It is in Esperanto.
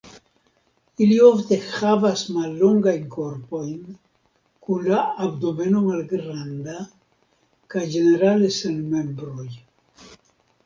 Ili ofte havas mallongajn korpojn, kun la abdomeno malgranda, kaj ĝenerale sen membroj.